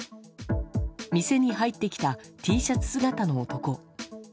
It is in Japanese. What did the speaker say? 店に入ってきたＴシャツ姿の男。